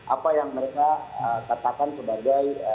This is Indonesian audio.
apa yang mereka katakan sebagai